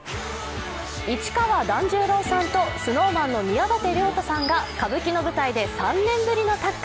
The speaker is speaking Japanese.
市川團十郎さんとＳｎｏｗＭａｎの宮舘涼太さんが歌舞伎の舞台で３年ぶりのタッグ。